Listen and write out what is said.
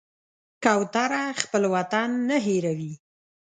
کوتره خپل وطن نه هېروي.